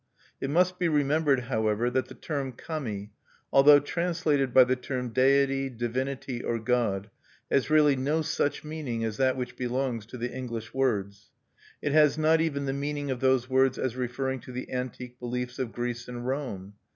It must be remembered, however, that the term Kami, although translated by the term deity, divinity, or god, has really no such meaning as that which belongs to the English words: it has not even the meaning of those words as referring to the antique beliefs of Greece and Rome.